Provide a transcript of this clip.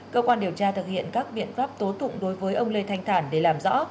cơ quan điều tra thực hiện các biện pháp tố tụng đối với ông lê thanh thản để làm rõ